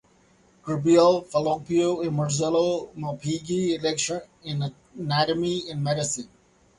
Gabriele Falloppio and Marcello Malpighi lectured in anatomy and medicine.